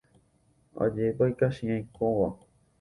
Ajépa ikachiãi kóva.